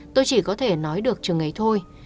tôi chỉ có thể nói được chừng ấy thôi